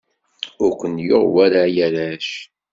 Ur ken-yuɣ wara a arrac?